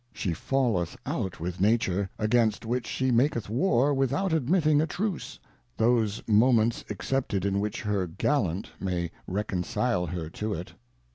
She falleth out VANITY, ^c. 41 out with Nature, against which she njaketh War without admitting a Truce, those Moments excepted in which her Gallant may reconcile her to it.